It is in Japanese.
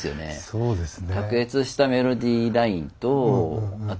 そうですね。